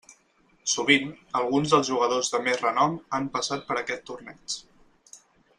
Sovint, alguns dels jugadors de més renom han passat per aquest torneig.